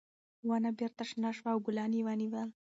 ونه بېرته شنه شوه او ګلان یې ونیول.